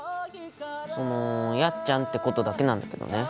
そのやっちゃんって子とだけなんだけどね。